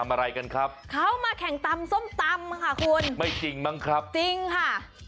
อะไรกันครับเขามาแข่งตำส้มตำค่ะคุณไม่จริงมั้งครับจริงค่ะ